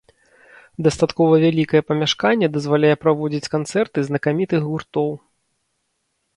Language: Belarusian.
Дастаткова вялікае памяшканне дазваляе праводзіць канцэрты знакамітых гуртоў.